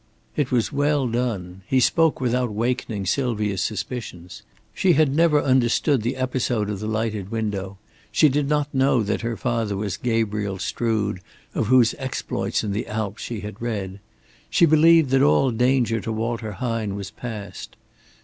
It was well done. He spoke without wakening Sylvia's suspicions. She had never understood the episode of the lighted window; she did not know that her father was Gabriel Strood, of whose exploits in the Alps she had read; she believed that all danger to Walter Hine was past.